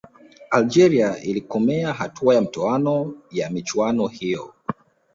algeria ilikomea hatua ya mtoano ya michuano hiyo